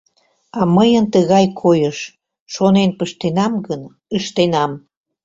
А мыйын тыгай койыш: шонен пыштенам гын — ыштенам!